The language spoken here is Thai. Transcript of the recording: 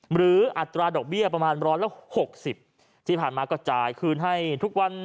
หรืออัตราดอกเบี้ยประมาณร้อนละ๖๐บาทที่ผ่านมาก็จ่ายคืนให้ทุกวัน